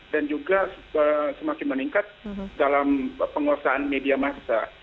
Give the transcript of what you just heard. dan juga semakin meningkat dalam penguasaan media massa